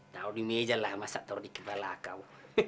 tahu di meja lah masa tahu di kepala kau